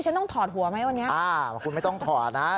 ฉันต้องถอดหัวไหมวันนี้อ่าคุณไม่ต้องถอดนะ